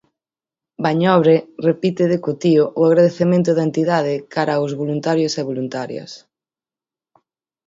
Bañobre repite decotío o agradecemento da entidade cara aos voluntarios e voluntarias.